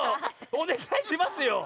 おねがいしますよ！